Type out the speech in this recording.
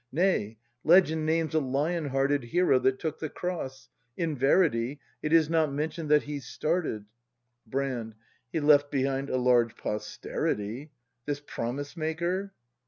Nay, legend names a lion hearted Hero that took the cross; in verity. It is not mention'd that he started Brand. He left behind a large posterity. This promise maker